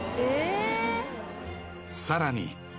［さらに］